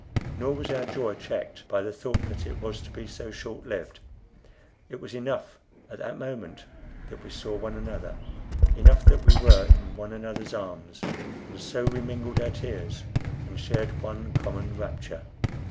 Nor was our joy checked by the thought that it was to be so short lived. It was enough at that moment that we saw one another enough that we were in one another's arms; and so we mingled our tears, and shared one common rapture.